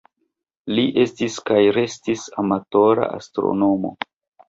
Li estis kaj restis amatora astronomo.